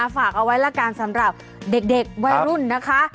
ฝากเอาไว้ละกันสำหรับเด็กวัยรุ่นนะคะ